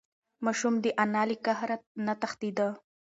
ماشوم د انا له قهر نه تښتېده.